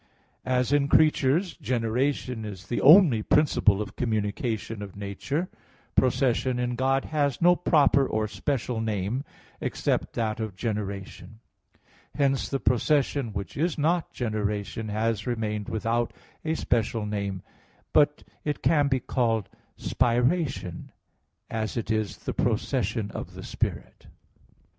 1). As in creatures generation is the only principle of communication of nature, procession in God has no proper or special name, except that of generation. Hence the procession which is not generation has remained without a special name; but it can be called spiration, as it is the procession of the Spirit.